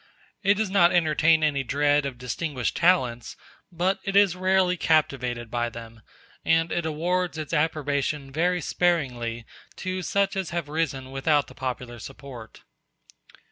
It does not entertain any dread of distinguished talents, but it is rarely captivated by them; and it awards its approbation very sparingly to such as have risen without the popular support.